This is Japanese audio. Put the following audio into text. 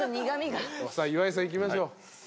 さあ岩井さんいきましょう。